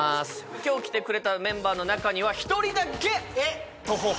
今日来てくれたメンバーの中にはえっ？